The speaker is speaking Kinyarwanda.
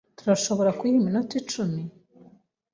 Turashobora kuyiha iminota icumi?